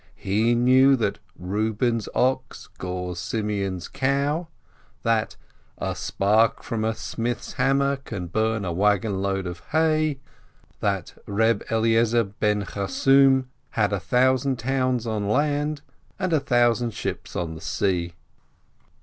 He knew that "Eeuben's ox gores Simeon's cow," that "a spark from a smith's ham mer can burn a wagon load of hay," that "Eeb Eliezer ben Charsum had a thousand towns on land and a thou sand ships on the sea."